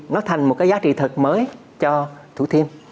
nó thành một cái giá trị thật mới cho thủ thiêm